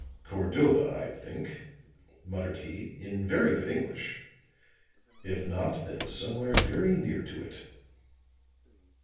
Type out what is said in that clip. "Cordova, I think," muttered he, in very good English. "If not, then somewhere very near to it."